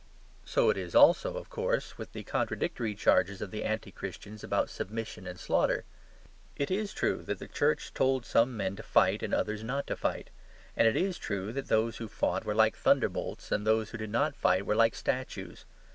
So it is also, of course, with the contradictory charges of the anti Christians about submission and slaughter. It IS true that the Church told some men to fight and others not to fight; and it IS true that those who fought were like thunderbolts and those who did not fight were like statues.